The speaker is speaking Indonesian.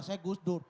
saya gus dur